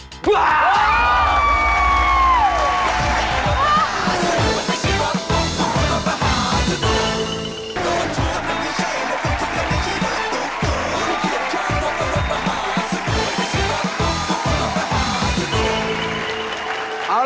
มันไม่ใช่ว่ารถมระฮาสนุก